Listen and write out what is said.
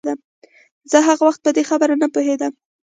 زه هغه وخت په دې خبره نه پوهېدم.